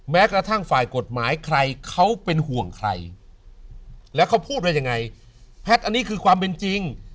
แม้กระทั่งฝ่ายกฎหมายใครเขาเป็นห่วงใครแล้วเขาพูดว่ายังไงแพทย์อันนี้คือความเป็นจริง